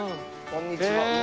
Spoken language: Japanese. こんにちは。